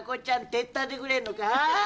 手伝ってくれんのか。